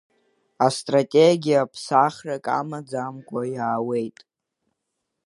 Астратегиа ԥсахрак амаӡамкәа иаауеит.